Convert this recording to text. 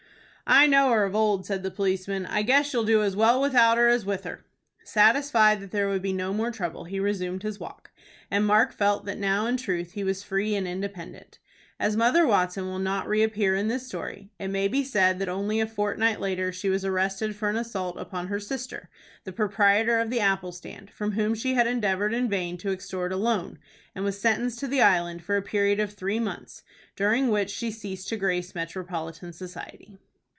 "I know her of old," said the policeman. "I guess you'll do as well without her as with her." Satisfied that there would be no more trouble, he resumed his walk, and Mark felt that now in truth he was free and independent. As Mother Watson will not reappear in this story, it may be said that only a fortnight later she was arrested for an assault upon her sister, the proprietor of the apple stand, from whom she had endeavored in vain to extort a loan, and was sentenced to the island for a period of three months, during which she ceased to grace metropolitan society.